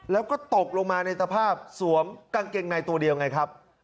แล้วก็ตกลงมาในสภาพสวมกางเกงในตัวเดียวไงครับ